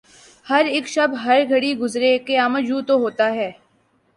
ہر اک شب ہر گھڑی گزرے قیامت یوں تو ہوتا ہے